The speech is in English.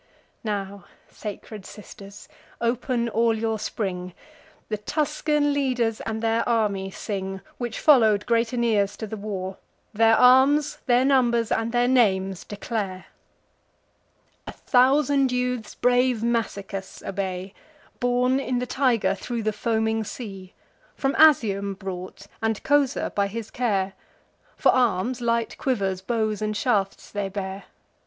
Now, sacred sisters, open all your spring! The Tuscan leaders, and their army sing, Which follow'd great Aeneas to the war: Their arms, their numbers, and their names declare. A thousand youths brave Massicus obey, Borne in the Tiger thro' the foaming sea; From Asium brought, and Cosa, by his care: For arms, light quivers, bows and shafts, they bear.